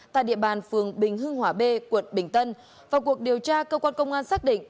tại địa bàn phường bình hưng hòa b quận bình tân vào cuộc điều tra cơ quan công an xác định